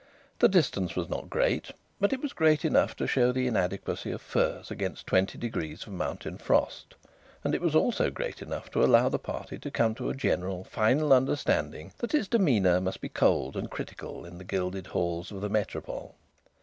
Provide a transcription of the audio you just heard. The distance was not great, but it was great enough to show the inadequacy of furs against twenty degrees of mountain frost, and it was also great enough to allow the party to come to a general final understanding that its demeanour must be cold and critical in the gilded halls of the Métropole.